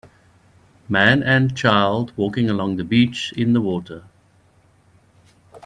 Man and child walking along the beach in the water.